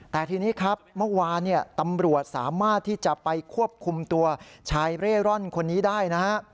แต่ทีนี้ครับเมื่อวานตำรวจสามารถที่จะไปควบคุมตัวชายเร่ร่อนคนนี้ได้นะฮะ